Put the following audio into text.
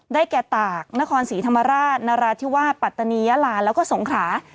แก่ตากนครศรีธรรมราชนราธิวาสปัตตานียาลาแล้วก็สงขรา